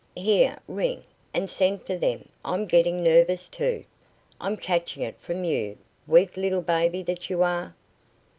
Here, ring, and send for them; I'm getting nervous, too. I'm catching it from you weak little baby that you are."